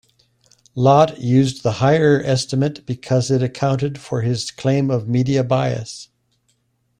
Lott used the higher estimate because it accounted for his claim of media bias.